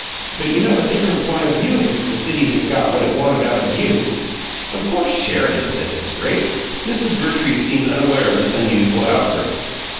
But you have a different point of view if it's the city that got what it wanted out of you! Of course Sheridan says it's 'great'." Mrs. Vertrees seemed unaware of this unusual outburst.